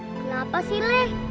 kenapa sih leh